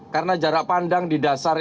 karena jarak pandang di dasar